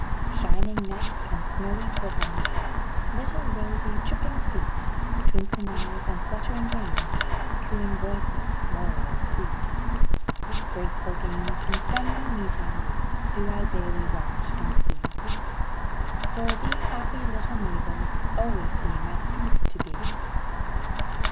Shining necks and snowy bosoms, Little rosy, tripping feet, Twinkling eyes and fluttering wings, Cooing voices, low and sweet, Graceful games and friendly meetings, Do I daily watch and see. For these happy little neighbors Always seem at peace to be.